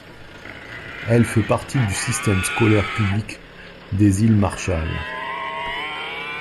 Elle fait partie du système scolaire public des Îles Marshall.